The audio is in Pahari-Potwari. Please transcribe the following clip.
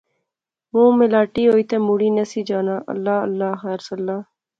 مونہہ میلاٹی ہوئی تہ مڑی نسی جانا، اللہ اللہ خیر سلا